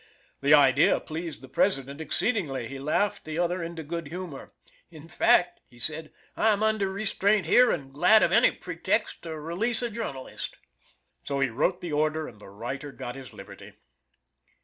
This idea pleased the President exceedingly. He laughed the other into good humor. "In fact," he said, "I am under restraint here, and glad of any pretext to release a journalist." So he wrote the order, and the writer got his liberty.